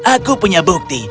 aku punya bukti